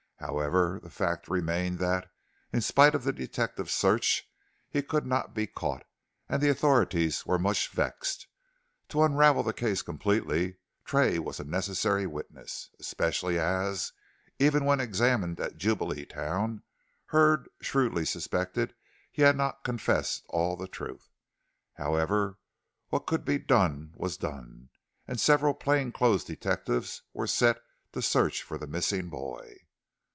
However, the fact remained that, in spite of the detective's search, he could not be caught, and the authorities were much vexed. To unravel the case completely Tray was a necessary witness, especially as, even when examined at Jubileetown, Hurd shrewdly suspected he had not confessed all the truth. However, what could be done was done, and several plain clothes detectives were set to search for the missing boy.